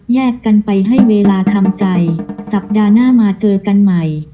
แยกกันไปให้เวลาทำใจสัปดาห์หน้ามาเจอกันใหม่